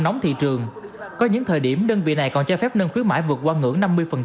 nóng thị trường có những thời điểm đơn vị này còn cho phép nâng khuyến mãi vượt qua ngưỡng năm mươi